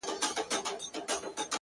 • داسي محراب غواړم ـ داسي محراب راکه ـ